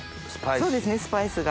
そうですねスパイスが。